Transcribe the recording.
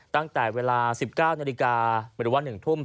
ตั้งแต่เวลา๑๙นาฬิกาหรือว่า๑ทุ่ม